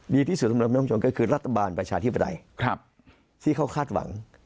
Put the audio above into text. ดีที่สุดสำหรับพี่น้องประชาชนกันคือรัฐบาลประชาอธิบัติที่เขาคาดหวัง